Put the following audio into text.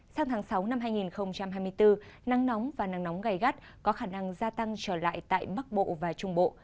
sang tháng sáu năm hai nghìn hai mươi bốn nắng nóng và nắng nóng gai gắt có khả năng gia tăng trở lại tại bắc bộ và trung bộ